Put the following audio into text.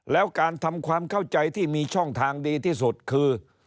แล้วการทำความเข้าใจที่มีช่องทางดีที่สุดคือ